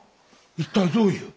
一体どういう？